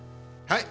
はい。